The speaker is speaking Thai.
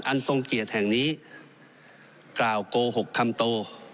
ทรงเกียรติแห่งนี้กล่าวโกหกคำโต